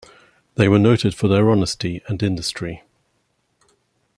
They were noted for their honesty and industry.